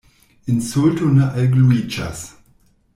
Insulto ne algluiĝas.